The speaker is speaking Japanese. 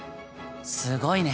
すごいね。